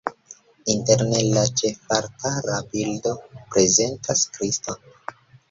Interne la ĉefaltara bildo prezentas Kriston.